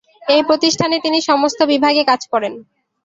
এই প্রতিষ্ঠানে তিনি সমস্ত বিভাগে কাজ করেন।